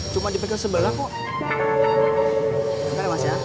cuma di bengkel sebelah kok